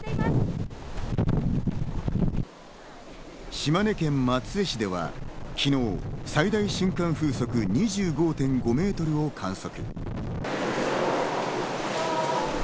島根県松江市では、昨日、最大瞬間風速２５．５メートルを観測。